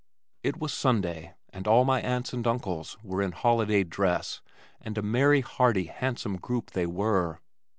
It was Sunday and all my aunts and uncles were in holiday dress and a merry, hearty, handsome group they were.